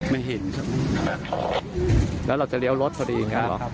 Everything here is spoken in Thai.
ไม่เห็นแล้วเราจะเลี้ยวรถพอดีอีกหรอครับ